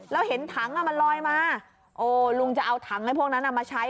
แล้วเห็นถังมันลอยมาโอ้ลุงจะเอาถังไอ้พวกนั้นมาใช้